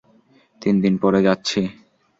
তিনদিন পরে যাচ্ছি।